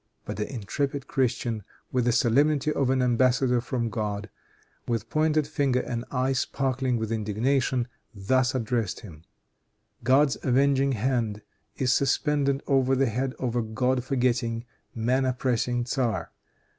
But the intrepid Christian, with the solemnity of an embassador from God, with pointed finger and eye sparkling with indignation, thus addressed him: "God's avenging hand is suspended over the head of a God forgetting, man oppressing tzar.